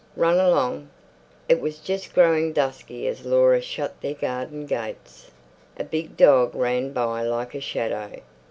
Run along." It was just growing dusky as Laura shut their garden gates. A big dog ran by like a shadow.